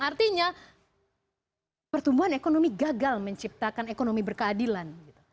artinya pertumbuhan ekonomi gagal menciptakan ekonomi berkeadilan